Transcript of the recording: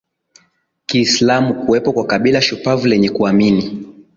Kiislamu Kuwepo kwa kabila shupavu lenye kuamini